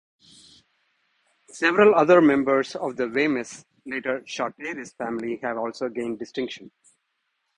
Several other members of the Wemyss, later Charteris, family, have also gained distinction.